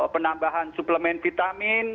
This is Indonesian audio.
penambahan suplemen vitamin